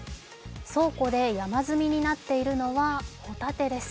倉庫で山積みになっているのはホタテです。